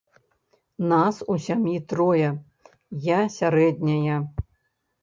Нас у сям'і трое, я сярэдняя.